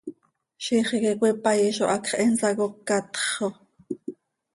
¡Ziix iiqui cöipaii zo hacx he nsacócatx xo!